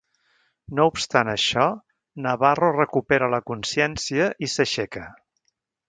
No obstant això, Navarro recupera la consciència i s'aixeca.